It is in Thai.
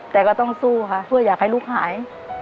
แต่ก็ต้องสู้ค่ะเพื่ออยากให้ลูกหาย